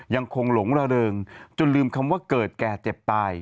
หลงระเริงจนลืมคำว่าเกิดแก่เจ็บตาย